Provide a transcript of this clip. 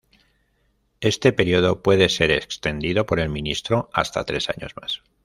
Este período puede ser extendido por el ministro hasta tres años más.